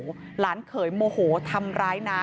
มีความเขยโมโหทำร้ายน้า